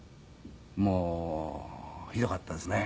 もうひどかったですね。